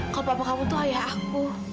kalau bapak kamu tuh ayah aku